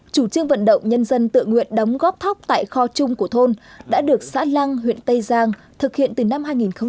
chủ trương vận động nhân dân tự nguyện đóng góp thóc tại kho chung của thôn đã được xã lăng huyện tây giang thực hiện từ năm hai nghìn một mươi